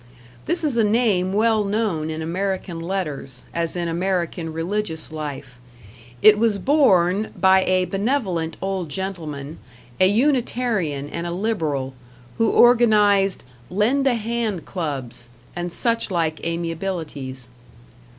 This is a name well known in American letters, as in American religious life; it was borne by a benevolent old gentleman, a Unitarian and a liberal, who organized "Lend a Hand Clubs" and such like amiabilities.